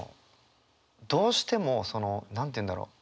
どうしても何て言うんだろう？